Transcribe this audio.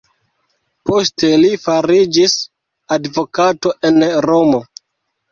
Poste li fariĝis advokato en Romo.